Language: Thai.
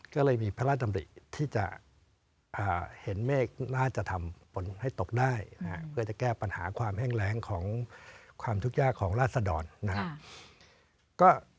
ก็เลยมีพระราชดำริที่จะเห็นเมฆน่าจะทำผลให้ตกได้เพื่อจะแก้ปัญหาความแห้งแรงของความทุกข์ยากของราศดรนะครับ